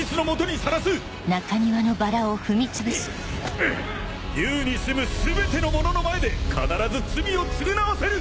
Ｕにすむ全ての者の前で必ず罪を償わせる！